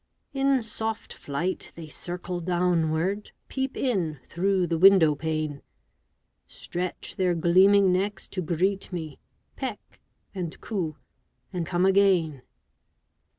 In soft flight, they circle downward, Peep in through the window pane; Stretch their gleaming necks to greet me, Peck and coo, and come again.